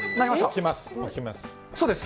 起きます。